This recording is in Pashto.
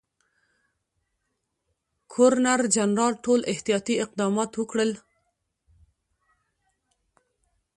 ګورنرجنرال ټول احتیاطي اقدامات وکړل.